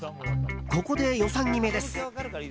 ここで予算決めです。